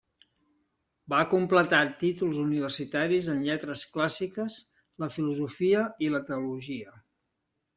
Va completar títols universitaris en lletres clàssiques, la filosofia i la teologia.